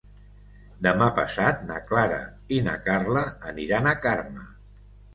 Demà passat na Clara i na Carla aniran a Carme.